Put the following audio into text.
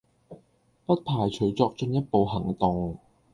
不排除作進一步行動